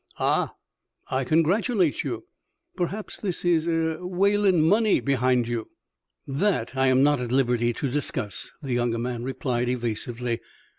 "Ah! I congratulate you. Perhaps this is er, Wayland money behind you?" "That I am not at liberty to discuss," the younger man replied, evasively.